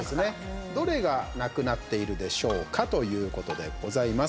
どれがなくなっているでしょうかということでございます。